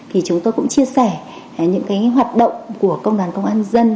thì chúng tôi cũng chia sẻ những hoạt động của công đoàn công an dân